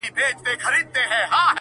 لا یې خوله وي د غلیم په کوتک ماته!!